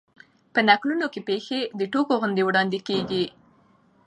په نکلونو کښي پېښي د ټوګو غوندي وړاندي کېږي.